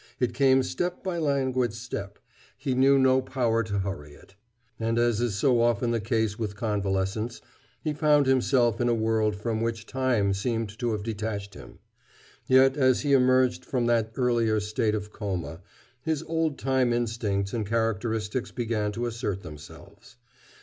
It came step by languid step; he knew no power to hurry it. And as is so often the case with convalescents, he found himself in a world from which time seemed to have detached him. Yet as he emerged from that earlier state of coma, his old time instincts and characteristics began to assert themselves.